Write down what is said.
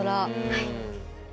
はい。